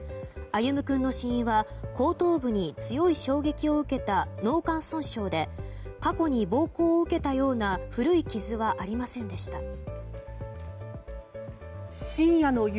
歩夢君の死因は後頭部に強い衝撃を受けた脳幹損傷で過去に暴行を受けたような古い傷はありませんでした。